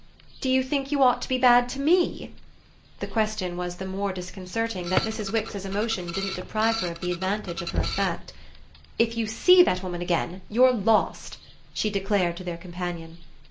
"Do you think you ought to be bad to ME?" The question was the more disconcerting that Mrs. Wix's emotion didn't deprive her of the advantage of her effect. "If you see that woman again you're lost!" she declared to their companion.